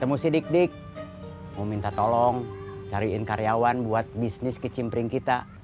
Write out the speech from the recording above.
semua si dik dik mau minta tolong cariin karyawan buat bisnis ke cimpring kita